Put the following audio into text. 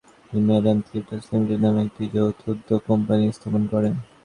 তিনি 'Madan theatres limited' নামে একটি যৌথ উদ্যোগ কোম্পানী স্থাপন করেন।